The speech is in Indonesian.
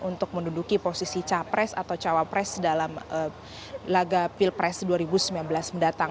untuk menduduki posisi capres atau cawapres dalam laga pilpres dua ribu sembilan belas mendatang